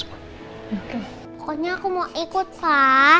iya lebih baik ya